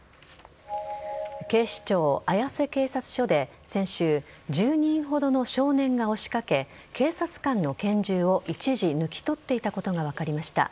警視庁綾瀬警察署で先週１０人ほどの少年が押しかけ警察官の拳銃を一時抜き取っていたことが分かりました。